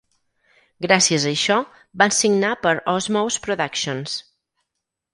Gràcies a això, van signar per Osmose Productions.